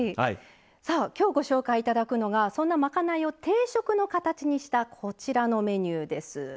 きょう、ご紹介いただくのが、そんなまかないを定食の形にしたこちらのメニューです。